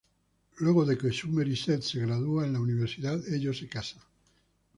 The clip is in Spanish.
Luego de que Summer y Seth se gradúan en la universidad, ellos se casan.